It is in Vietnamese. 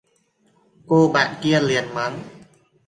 Cô bạn kia liền mắng